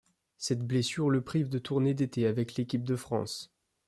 Cette blessure le prive de tournée d'été avec l'équipe de France.